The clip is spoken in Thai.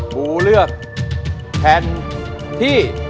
ปูเลือกแผ่นที่